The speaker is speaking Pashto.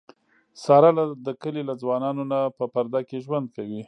ساره له د کلي له ځوانانونه په پرده کې ژوند کوي.